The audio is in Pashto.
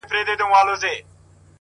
د ښكلا ميري د ښكلا پر كلي شــپه تېروم.!